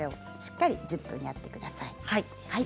しっかりやってください。